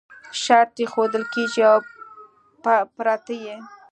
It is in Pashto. شرط ایښودل کېږي او پرته یې